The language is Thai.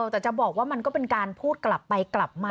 แต่จะบอกว่ามันก็เป็นการพูดกลับไปกลับมา